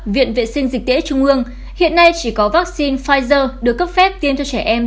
viện vệ sinh dịch tễ trung ương hiện nay chỉ có vaccine pfizer được cấp phép tiêm cho trẻ em